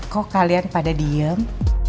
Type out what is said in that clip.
kok kalian pada diem